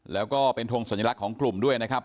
แล้วก็เป็นทงสัญลักษณ์ของกลุ่มด้วยนะครับ